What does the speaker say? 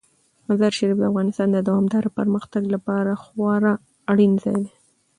مزارشریف د افغانستان د دوامداره پرمختګ لپاره خورا اړین ځای دی.